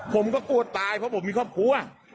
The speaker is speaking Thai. ผมก็กลัวตายเพราะผมมีครอบครัว